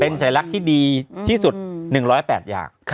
เป็นฉายลักษณ์ที่ดีที่สุด๑๐๘อย่าง